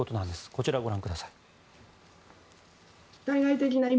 こちらをご覧ください。